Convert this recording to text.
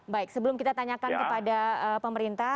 baik sebelum kita tanyakan kepada pemerintah